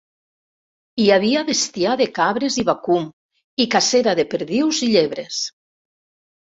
Hi havia bestiar de cabres i vacum i cacera de perdius i llebres.